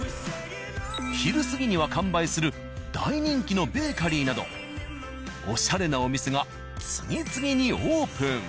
昼過ぎには完売する大人気のベーカリーなどオシャレなお店が次々にオープン。